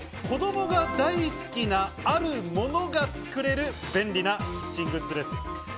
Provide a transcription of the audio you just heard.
子供が大好きな、あるものがつくれる便利なキッチングッズです。